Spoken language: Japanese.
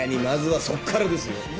まずはそっからですよ。